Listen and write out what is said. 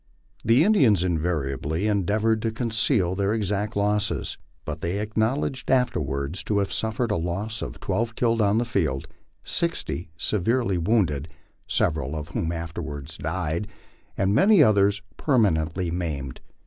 The Indians invariably endeavored to conceal their exact losses, but they acknowledged afterwards to have suffered a loss of twelve killed on the field, sixty severely wounded, several cf whom afterwards died, and many otherg permanently maimed.